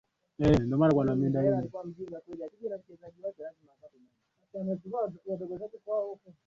kwa hivo yeyote ule atakaejenga kundi lolote